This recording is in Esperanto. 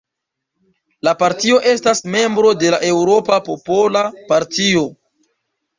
La partio estas membro de la Eŭropa Popola Partio.